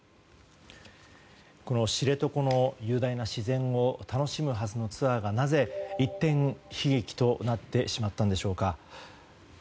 知床の雄大な自然を楽しむはずのツアーが、なぜ一転、悲劇となってしまったのでしょうか。